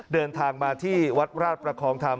เดินทางมาที่วัดราชประคองธรรม